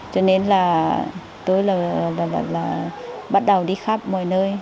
cho nên là tôi là bắt đầu đi khắp mọi nơi